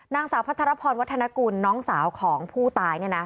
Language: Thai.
นางสาวพัทรพรวัฒนกุลน้องสาวของผู้ตาย